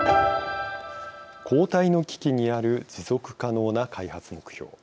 後退の危機にある持続可能な開発目標